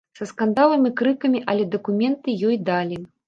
Са скандалам і крыкамі, але дакументы ёй далі.